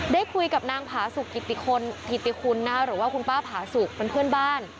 ได้คุยกับนางผาสุกกิติคนกิติคุณหรือว่าคุณป้าผาสุกเป็นเพื่อนบ้าน